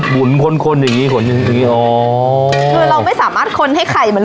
หุ่นคนคนอย่างงี้หุ่นอย่างงี้อ๋อคือเราไม่สามารถคนให้ใครมัน